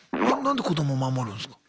何で子ども守るんすか？